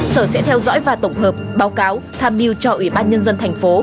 sở sẽ theo dõi và tổng hợp báo cáo tham mưu cho ủy ban nhân dân thành phố